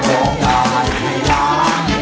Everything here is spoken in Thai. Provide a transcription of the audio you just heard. ร้องได้ให้ล้าน